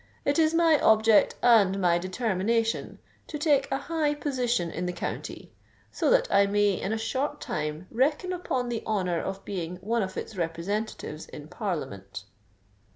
It is my object and my determination to take a high position in the county—so that I may in a short time reckon upon the honour of being one of its representatives in Parliament."